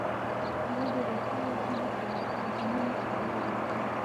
هغه د روښانه هیلې پر مهال د مینې خبرې وکړې.